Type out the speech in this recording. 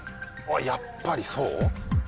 やっぱりそう？